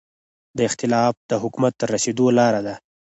دا اختلاف د حکومت ته رسېدو لاره ده.